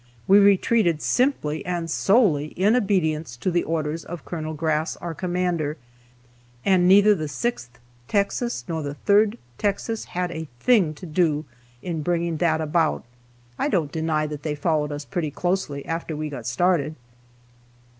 We retreated simply and solely in obedience to the orders of Col. Grass, our commander, and neither the Sixth Texas nor the Third Texas had a thing to do in bringing that about. I don't deny that they followed us pretty closely after we got started.